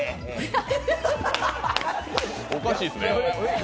おかしいっすね。